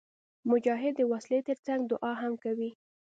مجاهد د وسلې تر څنګ دعا هم کوي.